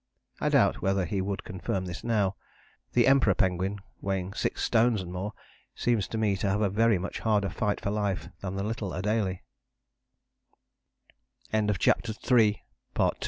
I doubt whether he would confirm this now. The Emperor penguin, weighing six stones and more, seems to me to have a very much harder fight for life than the little